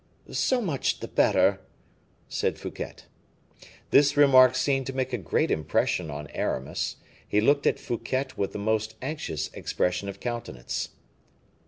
"So much the better," said Fouquet. This remark seemed to make a great impression on Aramis; he looked at Fouquet with the most anxious expression of countenance.